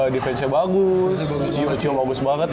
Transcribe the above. defense nya bagus kuncinya bagus banget